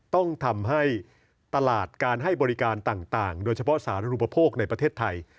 ต้องทำให้ตลาดการให้บริการต่างโดยเฉพาะสารอุปโภคในประเทศไทย